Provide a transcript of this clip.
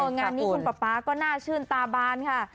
งานนี้คุณป๊าป๊าก็น่าชื่นตาบานค่ะ